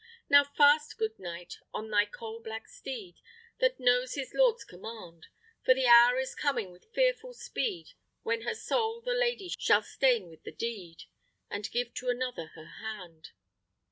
Now fast, good knight, on thy coal black steed, That knows his lord's command, For the hour is coming with fearful speed When her soul the lady shall stain with the deed, And give to another her hand.